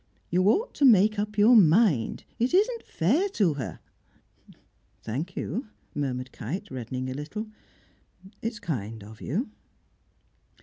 You ought to make up your mind. It isn't fair to her." "Thank you," murmured Kite, reddening a little. "It's kind of you."